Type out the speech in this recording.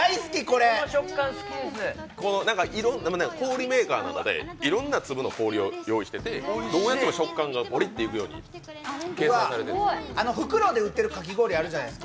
氷メーカーなので、いろんな粒の氷を用意してて、どうやっても食感がゴリッといくように計算されてるんです。